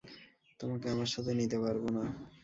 তোমাকে আমার সাথে নিতে পারবো না।